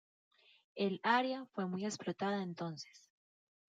El área fue muy explotada entonces.